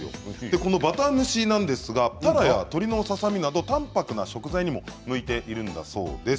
このバター蒸しですがたらや鶏のささ身など淡泊な食材にも向いているんだそうです。